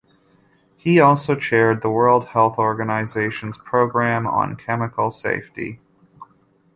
He also chaired the World Health Organization's Program on Chemical Safety.